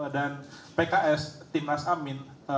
dan pks tim nas amin